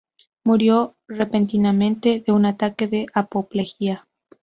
Murió repentinamente de un ataque de apoplejía.